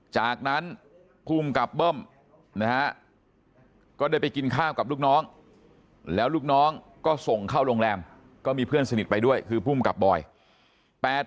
จากนั้นภูมิกับเบิ้มนะฮะก็ได้ไปกินข้าวกับลูกน้องแล้วลูกน้องก็ส่งเข้าโรงแรมก็มีเพื่อนสนิทไปด้วยคือภูมิกับบอย